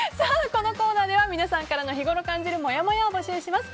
このコーナーでは皆さんの日頃感じるもやもやを募集します。